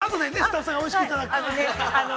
あとでね、スタッフさんがおいしくいただくからね◆